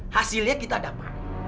hasilnya kita dapat